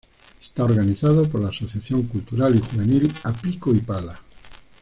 Está organizado por la Asociación cultural y juvenil A Pico y Pala.